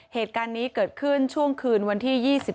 เหตุการณ์นี้เกิดขึ้นช่วงคืนวันที่๒๓